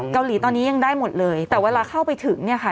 เกาหลีตอนนี้ยังได้หมดเลยแต่เวลาเข้าไปถึงเนี่ยค่ะ